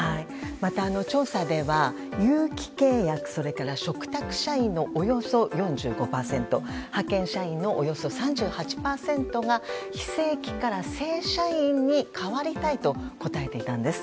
また、調査では有期契約嘱託社員のおよそ４５％派遣社員のおよそ３８％が非正規から正社員に変わりたいと答えていたんです。